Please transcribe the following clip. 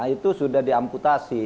itu sudah diamputasi